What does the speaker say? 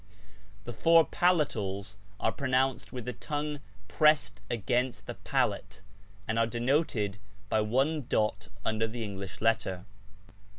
The four palatals are pronounced with the tongue pressed against the palate, and are denoted by one dot under the English letter.